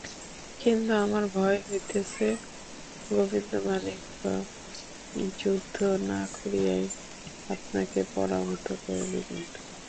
কিন্তু আমার ভয় হইতেছে, গোবিন্দমাণিক্য যুদ্ধ না করিয়াই আপনাকে পরাভূত করিবেন।